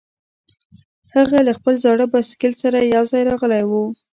هغه له خپل زاړه بایسکل سره یوځای راغلی و